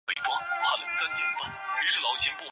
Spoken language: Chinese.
中途遇到京兆尹解恽和定陶王刘祉。